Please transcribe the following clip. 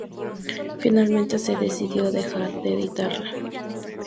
Finalmente, se decidió dejar de editarla.